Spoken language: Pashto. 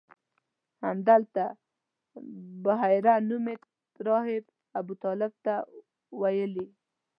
همدلته بحیره نومي راهب ابوطالب ته ویلي.